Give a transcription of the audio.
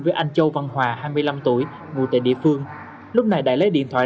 với anh châu văn hòa hai mươi năm tuổi ngụ tại địa phương lúc này đại lấy điện thoại